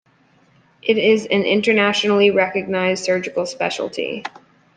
It is an internationally recognized surgical specialty.